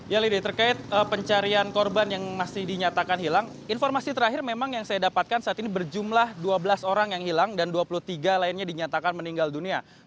ya lady terkait pencarian korban yang masih dinyatakan hilang informasi terakhir memang yang saya dapatkan saat ini berjumlah dua belas orang yang hilang dan dua puluh tiga lainnya dinyatakan meninggal dunia